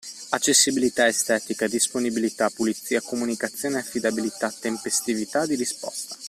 Accessibilità, estetica, disponibilità, pulizia, comunicazione, affidabilità, tempestività di risposta.